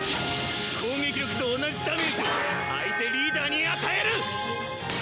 攻撃力と同じダメージを相手リーダーに与える！